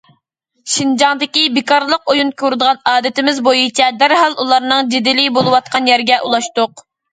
شىنجاڭدىكى بىكارلىق ئويۇن كۆرىدىغان ئادىتىمىز بويىچە دەرھال ئۇلارنىڭ جېدىلى بولۇۋاتقان يەرگە ئۇلاشتۇق.